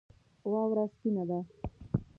واوره سپینه ده